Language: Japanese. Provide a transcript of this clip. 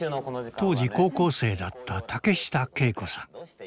当時高校生だった竹下景子さん。